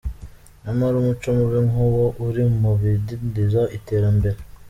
Nyamara umuco mubi nkuwo uri mu bidindiza iterambere.